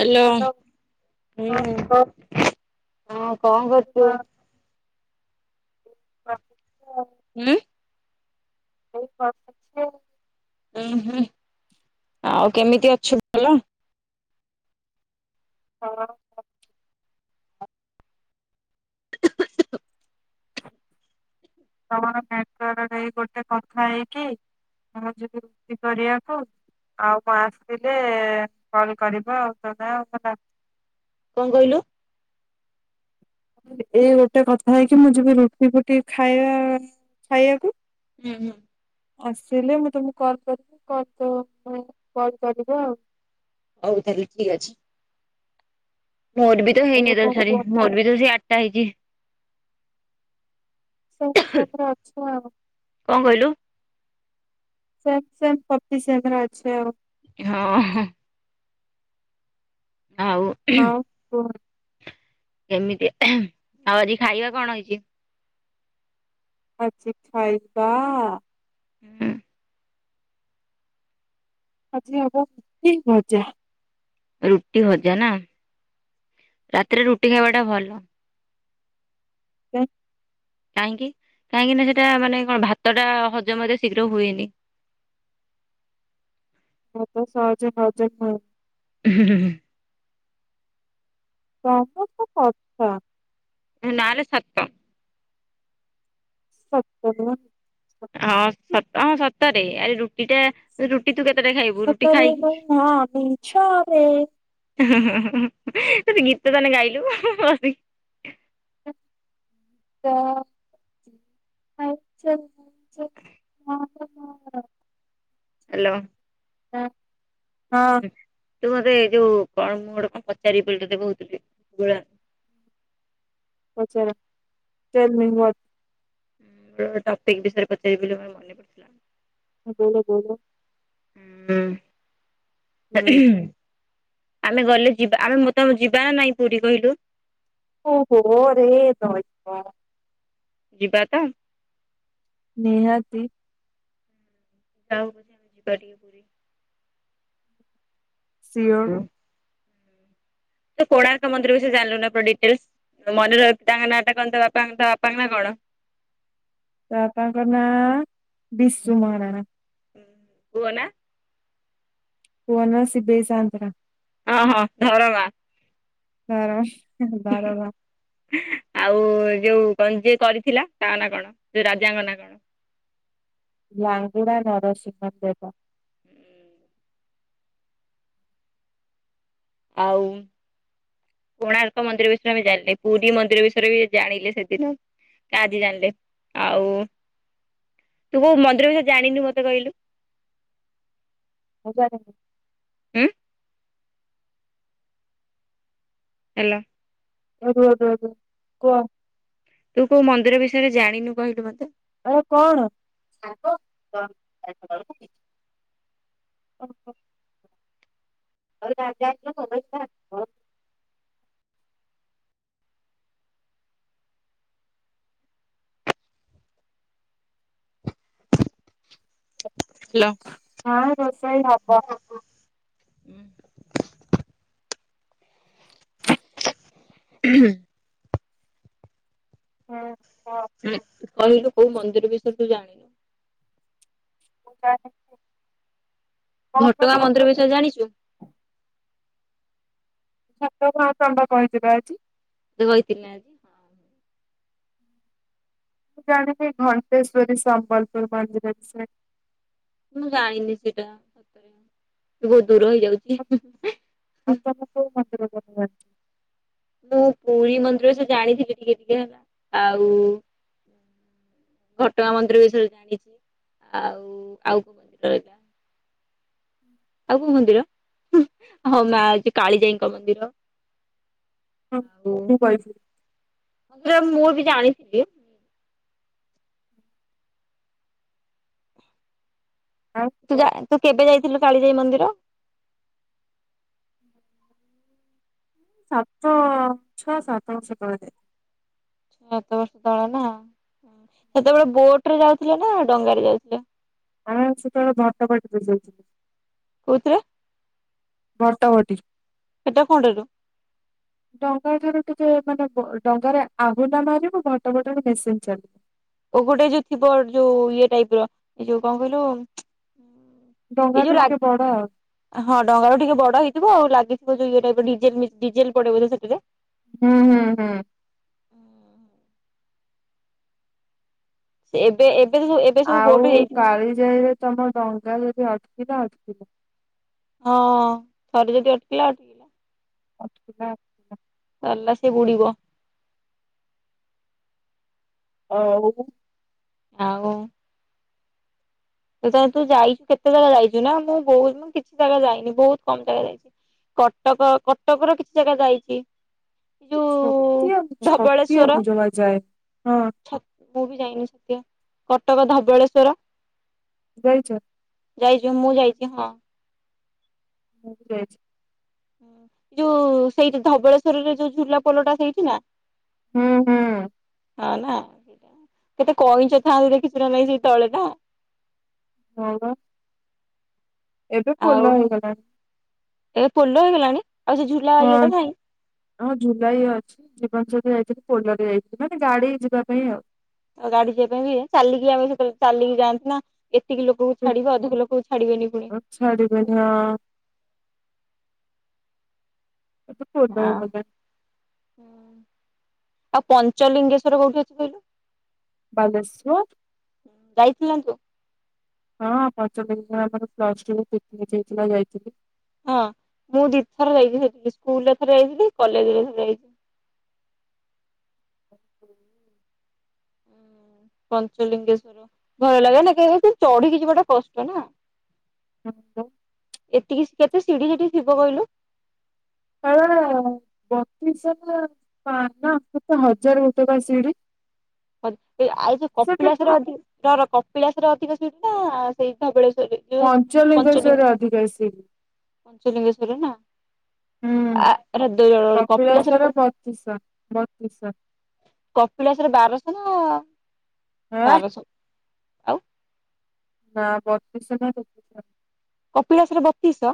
Hello ହଁ ହଁ କଣ କରୁଛୁ? ଆ [unintelligible] ହୁଁ। ବହୁ [inaudible] ବଛି ଉୁଁ ହୁଁ ଆଉ କେମିତି ଅଛୁ ଭଲ? ହଁ। ତମର [unintelligible] ଗୋଟେ କଥା ହେଇକି ତମର ଯତି ଭୋଜି କରିବାକୁ ଆଉ ମୁଁ ଆସିଲେ କଲ୍ କରିବ ଆଉ [unintelligible] କଣ କହିଲ? ଏ ଗୋଟେ କଥା ହେଇକି ମୁଁ ଯିବି ରୁଟି ଫୁଟି ଖାଇବା ଖାଇବାକୁ। ହୁଁ ହୁଁ। ଆସିଲେ ମୁଁ ତମକୁ କଲ୍ କରିବି କଲ୍ ତ ତମେ କଲ୍ କରିବ ଆଉ। ହଉ ତାହେଲେ ଠିକ୍ ଅଛି। ମୋର ବି ତ ହେଇନି ଏବେ କଣ କୁହ [unintelligible] ମୋର ବି ତ ସେଇ ଆ ଟା ହେଇଚି। [unintelligible] କଣ କହିଲୁ? ସେମ୍ ସେମ୍ [unintelligible] ଅଛେ ଆଉ। ହଁ ହଁ। ଆଉ ଆଉ। [unintelligible] କେମିତି, ଆଉ ଆଜି ଖାଇବା କଣ ହେଇଚି? ଆଜି ଖାଇବା [unintelligible] ଆଜି ହବ [unintelligible] ଭଜା। ରୁଟି ଭଜା ନାମ ରାତିରେ ରୁଟି ଖାଇବା ଟା ଭଲ। [unintelligible] କାହିଁକି? କାହିଁକି ନା ସେଟା ମାନେ କଣ ଭାତ ଟା ହଜମ ରେ ଶୀଘ୍ର ହୁଏନି। ଭାତ ସହଜ ରେ ହଜମ ହୁଏ। ହୁଁ ହୁଁ ହୁଁ। ତମର ତ କଥା। ଏ ନାଲୋ ସତ। [unintelligible] ସତେ ହଁ ସତ ହଁ ସତରେ। ଆଜି ରୁଟି ଟା ରୁଟି ତୁ କେତେଟା ଖାଇବୁ? ରୁଟି ସତରେ ଖାଇ ନୁହଁ ମିଛରେ ଗୋଟେ ଗୀତ ତାହେନେ ଗାଇଲୁ। [unintelligible] [unintelligible] [unintelligible] ହାଲୋ। [unintelligible] ତୁ ବୋଧେ ଯୋଉ କଣ ମୁଁ ଗୋଟେ କଣ ପଚାରି ତତେ କହୁଥିଲି [unintelligible] ପଚାର। Tell me what. ଟପିକ୍ ବିଷୟରେ ପଚାରିବି ବୋଲି ମୋର ମନେ ପଡିଥିଲା। [unintelligible] ଉଁ ହୁଁ ଆମେ ଗଲେ ଯିବା ଆମେ ମୁଁ ତ ଯିବା ନା ନାଇଁ ପୁରୀ କହିଲୁ? ଓହୋ ରେ ଦଇବ। ଯିବା ତ? ନିହାତି। [unintelligible] ଯିବା ଟିକେ ପୁରୀ। ସିଓର। ତୁ କୋଣାର୍କ ମନ୍ଦିର ବିଷୟ ରେ ଜାଣିଲୁ ନା ପୁରା ଡିଟେଲ୍ସେ? ମନେ ରହିବି ତାଙ୍କ ନାଁ ଟା କନ୍ତା ବାପା କନ୍ତା ବାପାଙ୍କ ନା କଣ? ତା ବାପା ଙ୍କ ନାଁ ବିଶୁ ମହାରାଣା। ହୁଁ ପୁଅ ନା। ପୁଅ ନା ସେବେଇ ସାଆନ୍ତରା। ଅ ହଁ ଧରମା। ଧର ମ୍ [inaudible] ଧରମା। ଆଉ ଯୋଉ କଣ ଯିଏ କରିଥିଲା ତାଙ୍କ ନା କଣ ଯୋଉ ରାଜାଙ୍କ ନା କଣ? ଲଙ୍ଗୁଡ଼ା ନର ସିଂହ ଦେବା। ହୁଁ। ଆଉ କୋଣାର୍କ ମନ୍ଦିର ବିଷୟରେ ଆ ଜାଣିଲି ପୁରୀ ମନ୍ଦିର ବିଷୟରେ ବି ଜାଣିଲେ ସେଦିନ। କାଲି ଜାଣିଲେ ଆଉ ତୁ କୋଉ ମନ୍ଦିର ବିଷରେ ଜାଣିନୁ ମତେ କହିଲୁ। ହଜାର ହୁଁ ହେଲୋ। ଏ ରୁହ ରୁହ ରୁହ କୁହ। ତୁ କୋଉ ମନ୍ଦିର ବିଷୟରେ ଜାଣିନୁ କହିଲୁ ମତେ। ଏରେ କଣ? [unintelligible] ହ୍ୟାଲୋ। ହଁ ରୋଷେଇ ହବ। [inaudible] ହଁ ହଁ। କହିଲୁ କୋଉ ମନ୍ଦିର ବିଷୟରେ ତୁ ଜାଣିନୁ। [inaudible] ଘଟଗାଁ ହୁଁ। ମନ୍ଦିର ବିଷୟରେ ଜାଣିଛୁ? ଘଟଗାଁ ତମ୍ କହିଲି ବା ଆଜି। ତତେ କହିଥିନି ଆଜି। ମୁଁ ଜାଣିନି ଘଣ୍ଟେଶ୍ଵରୀ ସମ୍ବଲପୁର ମନ୍ଦିର ବିଷୟରେ। ମୁଁ ଜାଣିନି ସେଇଟା ବହୁତ ଦୂର ହେଇଯାଉଛି। ତମକୁ [unintelligible] ମୁଁ ପୁରୀ ମନ୍ଦିର ବିଷୟରେ ଜାଣିଥିଲି ଟିକେ ଟିକେ ଆଉ ଘଟଗାଁ ମନ୍ଦିର ବିଷୟରେ ଜାଣିଛି ଆଉ ଆଉ କୋଉ ମନ୍ଦିର ରହିଲା ଆଉ କୋଉ ମନ୍ଦିର ହଁ ମା କାଳିଜାଇଙ୍କ ମନ୍ଦିର ହଁ ମୁଁ କହିଥିଲି ହେରା ମୁଁ ବି ଜାଣିଥିଲି [inaudible] ତୁ ଯା ତୁ କେବେ ଯାଇଥିଲୁ କାଳିଜାଇ ମନ୍ଦିର? ସାତ ଛ ସାତ ବର୍ଷ ତଳେ ଯାଇଥିଲି। ଛ ସାତ ବର୍ଷ ତଳେ ନା ସେତେବେଳେ ବୋଟ ରେ ଯାଉଥିଲେ ନା ଡଙ୍ଗା ରେ ଯାଉଥିଲ? ଆମ ସେତେବେଳେ ଭଟତା ବାଟ ଦେଇ ଯାଇଥିଲୁ। କୋଉଥିରେ? ଭଟବଟି। ହେଟା କୋଉ ଟାଲୋ। ଡଙ୍ଗା ଠାରୁ ଟିକେ ମାନେ ବ ଡଙ୍ଗାରେ ଆହୁଲା ମାରିବୁ ଭଟ ବଟିରେ ମେସିନ ଚାଲିବ। ଓ ଗୋଟେ ଯୋଉ ଥିବ ଯୋଉ ଇଏ ଟାଇପ ର। ଏ ଯୋଉ କଣ କହିଲୁ ଏଇ ଡଙ୍ଗାଠୁ ଯୋଉ ଟିକେ ବଡ ଆଉ। ହଁ ଡଙ୍ଗାଟା ଟିକେ ବଡ ହେଇଥିବ। ଆଉ ଲାଗିଥିବ ଯୋଉ ଇଏ ଟାଇପି ର ଡିଜେ ଡିଜେଲ ପଡେ ବୋଧେ ସେଥିରେ। ହୁଁ ହୁଁ ହୁଁ। ଏବେ ଏବେ ବି ସବୁ ବୋଟ ଆଉ ହେଇଯାଇଥିବ ନା କାଳିଜାଇରେ ତମ ଡଙ୍ଗା ଯଦି ଅଟକିଲା ଅଟକିଲା। ହଁ ହଁ। ଥରେ ଯଦି ଅଟିକିଲା ଅ [unintelligible] [unintelligible] ସେ ବୁଡିବ। ହଉ। ଆଉ ତୁ ତାହାଲେ ତୁ ଯାଇଛୁ କେତେ ଜାଗା ଯାଇଛୁ ନା। ମୁଁ କୋଉ କିଛି ଜାଗା ଯାଇନି। ବହୁତ କମ ଜାଗା ଯାଇଛି। କଟକ, କଟକ ର କିଛି ଜାଗା ଯାଇଛି। ଯୋଉ ଛତିଆ ଛତିଆ ଧବଳେଶ୍ଵର ମୁ ଜମା ଯାଇନି। ହଁ। ଛ ମୁଁ ବି ଯାଇନି ଛତିଆ। କଟକ ଧବଳେଶ୍ଵର ଯାଇଛ? ଯାଇଛି, ମୁଁ ଯାଇଛି ହଁ। ମୁଁ ଯାଇ ଯୋଉ ସେଇଠି ଧବଳେଶ୍ୱରରେ ଯୋଉ ଝୁଲା ପୋଲଟା ହେଇଥିଲା? ହୁଁ ହୁଁ। ହଁ ନା। କେତେ କଇଁଛ ଥାଆନ୍ତି ଦେଖିଚୁ ନା ନାହିଁ ସେଇ ତଳେ ନା। ହଁ ଵା। ଏବେ ଆଉ ପୋଲ ହେଇଗଲାଣି। ଏବେ ପୋଲ ହେଇଗଲାଣି? ଆଉ ସେ ଝୁଲା ହଁ। ଇଏଟା ନାଁହିଁ? ହଁ ଝୁଲା ବି ଅଛି ଯେତେବେଳେ ଯାଇଥିଲି ପୋଲରେ ଯାଇଥିଲି ମାନେ ଗାଡି ଯିବା ପାଇଁ ଆଉ। ଆଉ ଗାଡି ଯିବା ପାଇଁ ବି ଚାଲିକି ଯାଉ ସେତେବେଳେ ଚାଲିକି ଯାଆନ୍ତି ନା। ଏତିକି ଲୋକ [inaudible] ଛାଡିବେ ଅଧିକ ଲୋକକୁ ଛାଡିବେନି ପୁଣି। ଛାଡିବେନି ହଁ ହ [unintelligible] ଆଁ, ଆଉ ପଞ୍ଚଲିଙ୍ଗେଶ୍ଵର କୋଉଠି ଅଛି କହିଲୁ? ବାଲେଶ୍ଵର। ଯାଇଥିଲନ୍ତୁ। ହଁ ପଞ୍ଚଲିଙ୍ଗେଶ୍ଵର ଆମର ପ୍ଲସ୍ ଟୁରେ ପିକନିକ୍ ହେଇଥିଲା ଯାଇଥିଲୁ। ହଁ ମୁଁ ଦିଥର ଯାଇଛି ସେଠିକି। ସ୍କୁଲରେ ଥରେ ଯାଇଥିଲି କଲେଜ ରେ ଥରେ ଯାଇଥିଲି। ପଞ୍ଚଲିଙ୍ଗେଶ୍ଵ ଭୟ ଲାଗେ ନା କାହିଁକିନା ଚଢିକି ଯିବାଟା କଷ୍ଟ ନା ହଁ [unintelligible] ଏତିକି କେତେ ସିଢି ସେଠି ଥିବ କହିଲୁ? [unintelligible] ବତିଶହ ନା। ନା ନା କେତେ ହଜାରେ କେତେ ବା ସିଢି। ଆ ଯୋଉ କପିଳାସର ଅଧିକ, [inaudible] ନାକପିଳାସ ରେ ଅଧିକ ସିଡି ନା ସେଇ ଧବଳେଶ୍ଵରରେ? [unintelligible] ପଞ୍ଚଲିଙ୍ଗେଶ୍ଵରରେ ପଞ୍ଚଲିଙ୍ଗ ଅଧିକା ସିଡି। ପଞ୍ଚଲିଙ୍ଗେଶ୍ଵର ନା। ହୁଁ ଆ-ରେ- କପିଳାସରେ ବତିଶ ବତିଶ କପିଳାସରେ ବାରଶହ ନା। ହେ ବାରଶହ ଆଉ ନା ବତିଶହ ନା ତେତିଶହ। କପିଳାସ ରେ ବତିଶହ?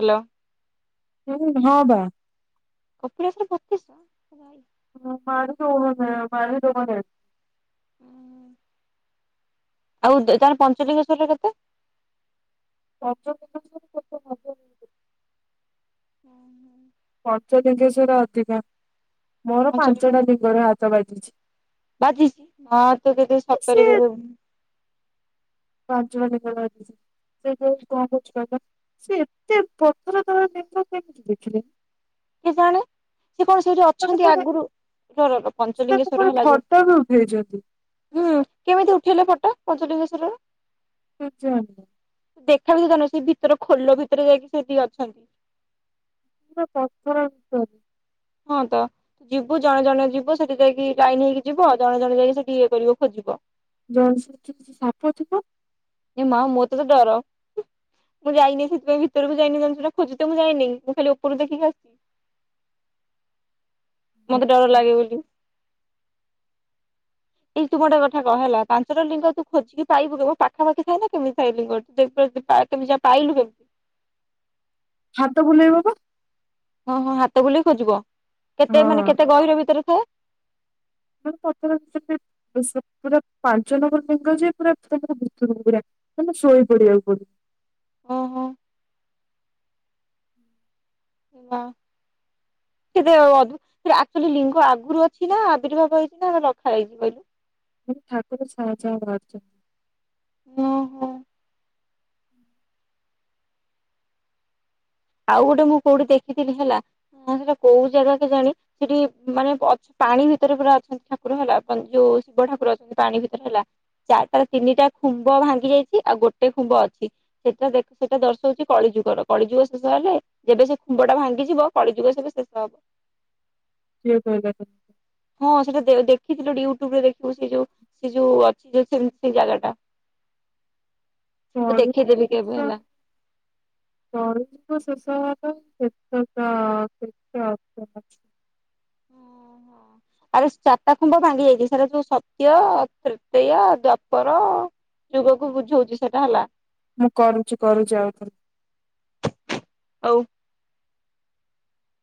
ହାଲୋ। ହୁଁ ଉଁ ହଁ ବା। କପିଳାସର ବତିଶହ ମୁଁ ଯାଇନି। [unintelligible] ଆଉ ଦେ ପଞ୍ଚଲିଙ୍ଗେଶ୍ୱର ରେ କେତେ? ପଞ୍ଚଲିଙ୍ଗଶ୍ବର ପଞ୍ଚଲିଙ୍ଗେଶ୍ଵର ଅଧିକ ମୋର ପଞ୍ଚଲିଙ୍ଗ ପାଞ୍ଚଟା ଲିଙ୍ଗରେ ହାତ ବାଜିଚି। ବାଜିଚି ମାଁ ତୁ କେତେ ସତରେ [inaudible] ପାଞ୍ଚିମ ଲିଙ୍ଗରେ ବାଜିଚି। ସେ ଯୋଉ କଣ କହୁଚି କହିଲ ସିଏ ଏତେ ପଥର ତଳେ ଲିଙ୍ଗ କେମିତି ଦେଖିଲେ? କେଜାଣି। ସେ କଣ ସେଇଠି ତାକୁ ଅଛନ୍ତି କୁଆଡେ ଆଗରୁ [inaudible] ତାକୁ ପଞ୍ଚଲିଙ୍ଗେଶ୍ଵର କୁଆଡେ ହେଲା ଫଟୋ ବି ଉଠେଇଛନ୍ତି ଯୋଉ ହୁଁ କେମିତି ଉଠେଇଲେ ଫଟୋ ପଞ୍ଚଲିଙ୍ଗେଶ୍ୱର ର? କେଜାଣିଲୋ। ଦେଖା ବି କଥା ନୁହଁ ସେ ଭିତର ଖୋଲ ଭିତରେ ଯାଇକି ସେଠି ଅଛନ୍ତି। ପୁରା ପଥର ଭିତରେ। ହଁ ତ। ଯିବୁ ଜଣେ ଜଣେ ଯିବୁ ସେଠି ଯାଇକି ଲାଇନ୍ ହେଇକି ଯିବ ଆଉ ଜଣେ ଜଣ ଯାଇକି ସେଠି ଇଏ କରିବ ଖୋଜିବ। ଜଂସ୍ ସି ସାପ ଥିବ? ଏମା ମୋତେ ତ ଡର। ମୁଁ ଯାଇନି ସେଥିପାଇଁ ଭିତରକୁ ଯାଇିନି ସେଇଟା ଖୋଜିତେ ମୁଁ ଯାଇନି ମୁଁ ଖାଲି ଉପରୁ ଦେଖି ଆସିଚି। ମତେ ଡର ଲାଗେ ବୋଲି। ଏଇ ତୁ ଗୋଟେ କଥା କହ ହେଲା ପାଞ୍ଚଟା ଲିଙ୍ଗ ତୁ ଖୋଜିକି ପାଇବୁ କେମ୍ ପାଖାପାଖି ଥାଏ କେମିତି ଥାଏ ଲିଙ୍ଗ [inaudible] ପାଇଲୁ କେମିତି? ହାତ ବୁଲେଇବ ବା। ହଁହଁ ହାତ ବୁଲେଇ ଖୋଜିବ କେତେ ମାନେ ହଁ କେତେ ଗହିର ଭିତରେ ଥାଏ? [unintelligible] ସେପୁରା ପାଞ୍ଚ ନମ୍ବର ଲିଙ୍ଗ ଯିଏ ପୁରା ଭିତରୁକୁ ପୁରା। ମାନେ ଶୋଇ ପଡିଆକୁ ପଡିବ। ଅ ହଁଁ। ହାଲୋ ସତରେ ଅଧା ଆକ୍ଚୁଆଲି ଲିଙ୍ଗ ଆଗରୁ ଅଛି ନା ଆବିର୍ଭାବ ହେଇଚି ନା ରଖାହେଇଚି କଇଲୁ? ଠାକୁର ଛାଆଁ ଛାଆଁ ବାହାରିଚନ୍ତି। ଓ ହୋ। ଆଉ ଗୋଟେ ମୁଁ କୋଉଠି ଦେଖିଥିଲି ହେଲା ସେଟା କୋଉ ଜାଗା କେଜାଣି। ସେଠି ମାନେ ଅଛ୍ ପାଣି ଭିତରେ ପୁରା ଅଛନ୍ତି ଠାକୁର ହେଲା ଯୋଉ ଶିବ ଠାକୁର ଅଛନ୍ତି ପାଣି ଭିତରେ ହେଲା। ଚାରିଟାରୁ ତିନିଟା ଖୁମ୍ବ ଭାଙ୍ଗି ଯାଇଚି ଆଉ ଗୋଟେ ଖୁମ୍ବ ଅଛି। ସେଟା ଦେଖୁଚ ଦର୍ଶଉଚି କଳିଯୁଗର କଳିଯୁଗ ଶେଷ ହେଲେ, ଯେବେ ସେ ଖୁମ୍ବ ଟା ଭାଙ୍ଗିଯିବ କଳିଯୁଗ ସେବେ ଶେଷ ହବ। କିଏ କହିଲା ଏତକ? ହଁ ସେଇଟା ଦେଖିଥିଲୁ ୟୁଟ୍ୟୁବିରେ ଦେଖିବୁ ସେ ଯୋଉ ସିଏ ଯୋଉ ଅଛି ଯୋଉ ଖୁମ୍ପି ଜାଗା ଟା। ତ କଳି ଦେଖେଇଦେବି କେବେ ହେଲା। [unintelligible] କଳି ଯୁଗ ଶେଷ ହେବା ପାଇଁ କେତେଟା [inaudible] ଓହୋ। [unintelligible] ଆରେ ଚାରିଟା ଖୁମ୍ବ ଭାଙ୍ଗି ଯାଇଛି। ସେଟା ସତ୍ୟ, ତ୍ରେତୟା, ଦ୍ୱାପର ଯୁଗକୁ ବୁଝଉଛି ସେଟା ହେଲା କରୁଛି କରୁଛି ଆଉଥରେ। ହଉ।